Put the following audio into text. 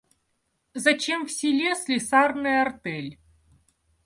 Зачем в селе слесарная артель?